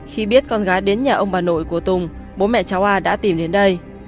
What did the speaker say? khi biết con gái đến nhà ông bà nội của tùng bố mẹ cháu a đã tìm đến đây